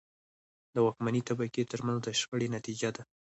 د واکمنې طبقې ترمنځ د شخړې نتیجه ده.